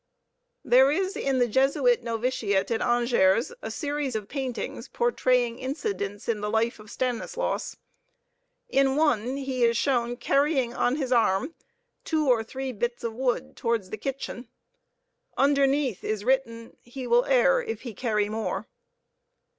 There is in the Jesuit noviciate at Angers a series of paintings portraying incidents in the life of Stanislaus. In one he is shown carrying on his arm two or three bits of wood towards the kitchen. Underneath is written, "He will err if he carry more."